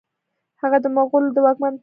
هغه د مغولو د واکمن اطاعت وکړي.